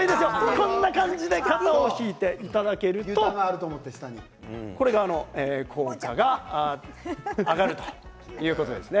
こんな感じで肩を引いていただけると効果が上がるということです。